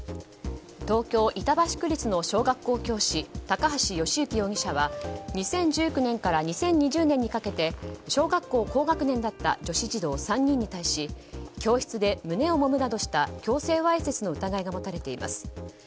東京・板橋区立の小学校教師高橋慶行容疑者は２０１９年から２０２０年にかけて小学校高学年だった女子児童３人に対し教室で胸をもむなどした強制わいせつの疑いが持たれています。